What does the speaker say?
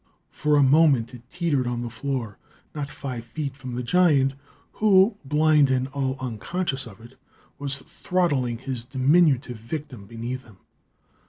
For a moment it teetered on the floor, not five feet from the giant who, blind and all unconscious of it, was throttling his diminutive victim beneath him.